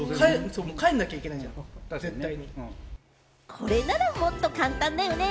これならもっと簡単だよね。